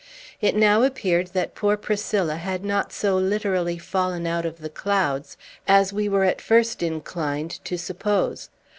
It now appeared that poor Priscilla had not so literally fallen out of the clouds, as we were at first inclined to suppose.